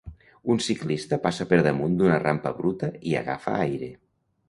Un ciclista passa per damunt d'una rampa bruta i agafa aire